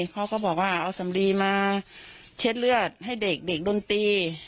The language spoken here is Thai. เขาก็บอกว่าเอาสำลีมาเช็ดเลือดให้เด็กเด็กโดนตี